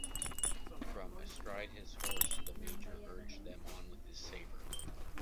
From astride his horse, the major urged them on with his saber.